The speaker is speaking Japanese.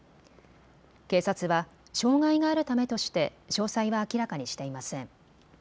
警察は障害があるためとして詳細は明らかにしていません。